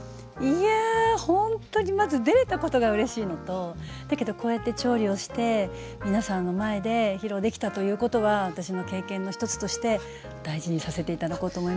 いやほんとにまず出れたことがうれしいのとだけどこうやって調理をして皆さんの前で披露できたということは私の経験の一つとして大事にさせて頂こうと思います。